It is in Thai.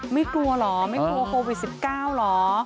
ไม่กลัวเหรอไม่กลัวโควิด๑๙เหรอ